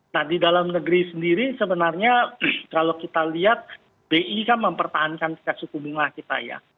nah di dalam negeri sendiri sebenarnya kalau kita lihat bi kan mempertahankan suku bunga kita ya